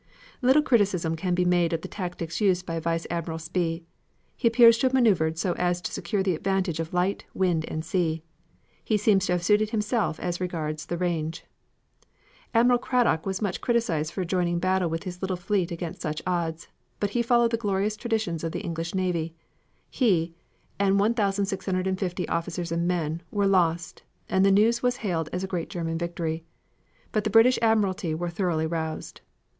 Little criticism can be made of the tactics used by Vice Admiral Spee. He appears to have maneuvered so as to secure the advantage of light, wind and sea. He also seems to have suited himself as regards the range. Admiral Cradock was much criticised for joining battle with his little fleet against such odds, but he followed the glorious traditions of the English navy. He, and 1,650 officers and men, were lost, and the news was hailed as a great German victory. But the British admiralty were thoroughly roused.